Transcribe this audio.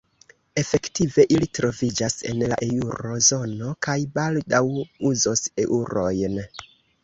Efektive ili troviĝas en la eŭro-zono kaj baldaŭ uzos eŭrojn.